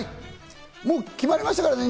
もう決まりましたからね。